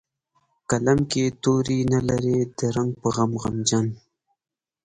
قلم کې یې توري نه لري د رنګ په غم غمجن